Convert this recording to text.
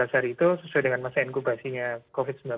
empat belas hari itu sesuai dengan masa inkubasinya covid sembilan belas